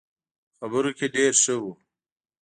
خبرو کې ډېر ښه وو.